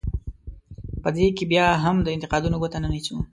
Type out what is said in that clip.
په دې کې بیا هم د انتقاد ګوته نه نیسو.